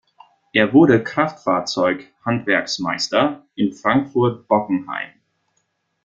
Er wurde Kraftfahrzeug-Handwerksmeister in Frankfurt-Bockenheim.